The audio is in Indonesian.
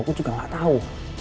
gue juga gak tau